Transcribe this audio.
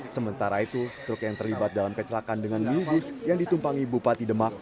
sementara itu truk yang terlibat dalam kecelakaan dengan minibus yang ditumpangi bupati demak